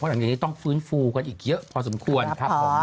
อย่างนี้ต้องฟื้นฟูกันอีกเยอะพอสมควร